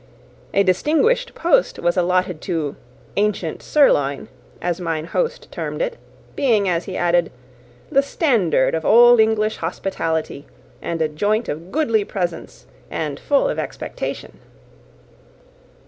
A distinguished post was allotted to "ancient sirloin," as mine host termed it; being, as he added, "the standard of old English hospitality, and a joint of goodly presence, and full of expectation."